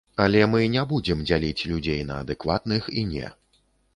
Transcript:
Але мы не будзем дзяліць людзей на адэкватных і не.